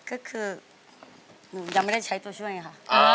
ก็คือหนูยังไม่ได้ใช้ตัวช่วยไงค่ะ